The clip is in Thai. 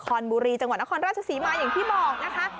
บุรีจังหวัดนครราชศรีมาอย่างที่บอกนะคะ